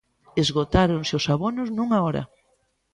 Esgotáronse os abonos nunha hora.